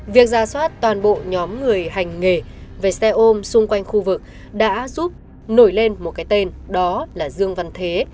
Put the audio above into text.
việc ra soát toàn bộ nhóm người hành nghề về xe ôm xung quanh khu vực đã giúp nổi lên một cái tên đó là dương văn thế